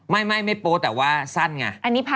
ไม่โป๊ะแต่ว่าสั้นไง